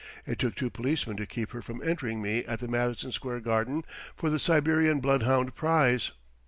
It took two policemen to keep her from entering me at the Madison Square Garden for the Siberian bloodhound prize.